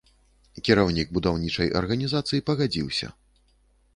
Кіраўнік будаўнічай арганізацыі пагадзіўся.